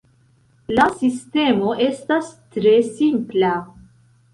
La sistemo estas tre simpla.